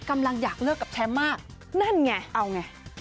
กำลังอยากเลิกกับแชมป์มากนั่นไงเอาไง